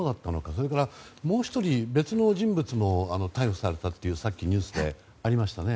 それからもう１人別の人物も逮捕されたとさっきニュースでありましたね。